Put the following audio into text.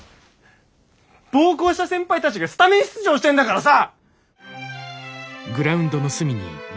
暴行した先輩たちがスタメン出場してんだからさ！